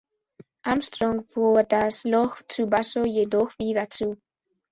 Armstrong fuhr das Loch zu Basso jedoch wieder zu.